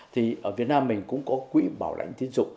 thì ở việt nam mình cũng có quỹ bảo lãnh tiến dụng